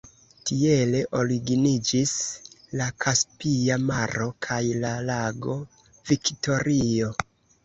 Tiele originiĝis la Kaspia Maro kaj la lago Viktorio.